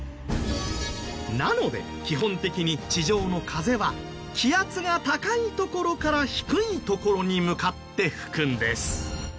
なので基本的に地上の風は気圧が高い所から低い所に向かって吹くんです。